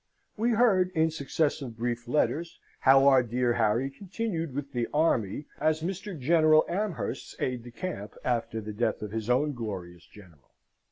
We heard in successive brief letters how our dear Harry continued with the army, as Mr. General Amherst's aide de camp, after the death of his own glorious general.